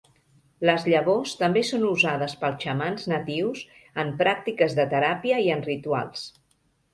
Les llavors també són usades pels xamans natius en pràctiques de teràpia i en rituals.